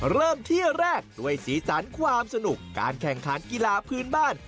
เริ่มที่แรกด้วยสีสันความสนุกการแข่งขันกีฬาพื้นบ้าน